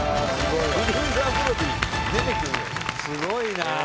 すごいな。